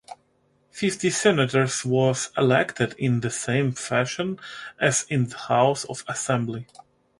Fifty senators were elected in the same fashion as in the House of Assembly.